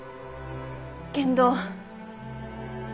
けんど。